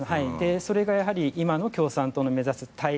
それがやはり今の共産党の目指す